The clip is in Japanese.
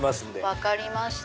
分かりました。